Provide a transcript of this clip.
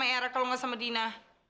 tapi nggak tahu lagi pergi lagi kemana